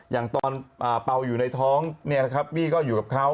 อย่างตอนเป้าอยู่ในท้องบี้ก็อยู่กับเขา